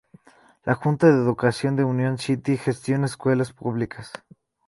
La Junta de Educación de Union City gestiona escuelas públicas.